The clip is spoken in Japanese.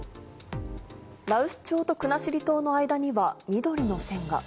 羅臼町と国後島の間には緑の線が。